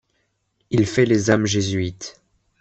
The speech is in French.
Il fait les âmes jésuites